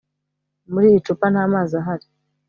Muri icupa nta mazi ahari